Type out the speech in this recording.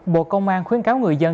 bộ công an khuyến cáo người dân